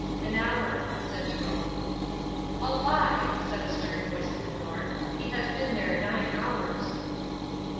"An hour," said Troke. "A lie!" said a stern voice at the door. "He has been there nine hours!"